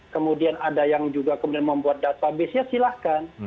kemudian ada yang juga kemudian membuat database nya silahkan